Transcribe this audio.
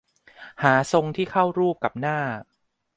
หาทรงที่เข้ากับรูปหน้า